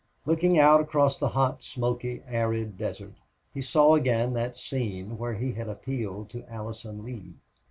Looking out across the hot, smoky, arid desert he saw again that scene where he had appealed to Allison Lee.